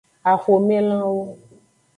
Axomelanwo.